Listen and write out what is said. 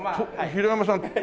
平山さん。